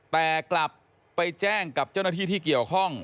แต่กลับไปแจ้งกับเจ้าหน้าที่ที่เกี่ยวข้อง